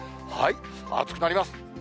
暑くなります。